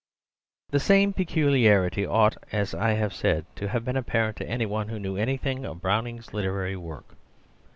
The same peculiarity ought, as I have said, to have been apparent to any one who knew anything of Browning's literary work.